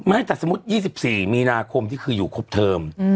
ไม่แต่สมมุติ๒๔มีนาคมที่คืออยู่ครบเทอม